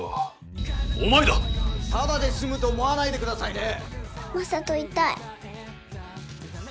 ただで済むと思わないで下さいね。